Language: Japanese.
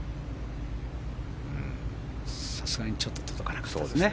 さすがにちょっと届かなかったですかね。